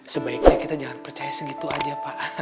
sebaiknya kita jangan percaya segitu aja pak